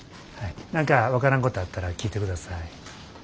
何か分からんことあったら聞いてください。